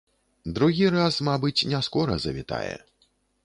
Другі раз, мабыць, не скора завітае.